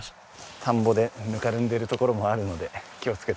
田んぼでぬかるんでる所もあるので気をつけて。